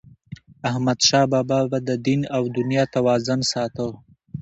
احمدشاه بابا به د دین او دنیا توازن ساته.